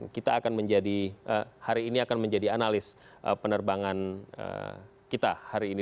kita akan menjadi hari ini akan menjadi analis penerbangan kita hari ini